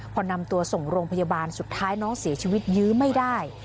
พอนำตัวส่งโรงพยาบาลสุดท้ายน้องเสียชีวิตยื้อไม่ได้